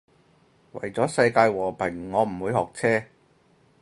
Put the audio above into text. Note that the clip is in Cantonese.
為咗世界和平我唔會學車